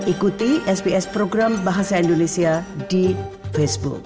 ikuti sps program bahasa indonesia di facebook